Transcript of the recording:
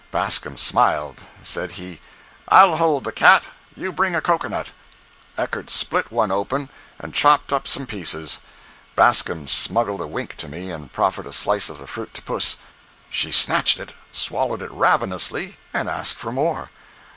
Bascom smiled. Said he: "I'll hold the cat—you bring a cocoanut." Eckert split one open, and chopped up some pieces. Bascom smuggled a wink to me, and proffered a slice of the fruit to puss. She snatched it, swallowed it ravenously, and asked for more!